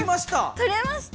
取りました。